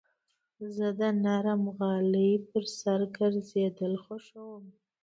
زه د نرم غالۍ پر سر ګرځېدل خوښوم.